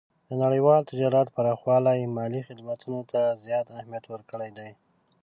د نړیوال تجارت پراخوالی مالي خدمتونو ته زیات اهمیت ورکړی دی.